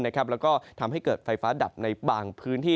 แล้วก็ทำให้เกิดไฟฟ้าดับในบางพื้นที่